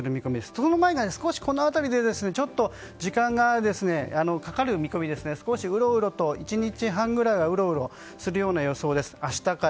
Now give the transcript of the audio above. その前が少しこの辺りで時間がかかる見込みで１日半ぐらいはうろうろする予想です。